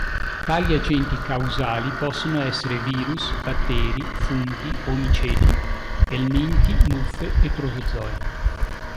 Tali agenti causali possono essere virus, batteri, funghi o miceti, elminti, muffe e protozoi.